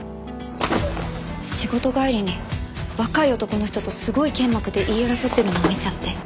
仕事帰りに若い男の人とすごい剣幕で言い争ってるのを見ちゃって。